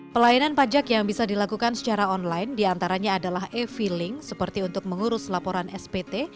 pelayanan pajak yang bisa dilakukan secara online diantaranya adalah e feeling seperti untuk mengurus laporan spt